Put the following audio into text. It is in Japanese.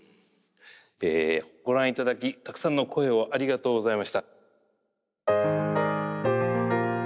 ご覧いただきたくさんの声をありがとうございました。